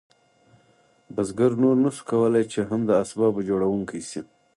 بزګر نور نشو کولی چې هم د اسبابو جوړونکی شي.